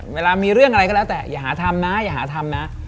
เวลามีเรื่องอะไรก็แล้วแต่อย่าหาธรรมนะ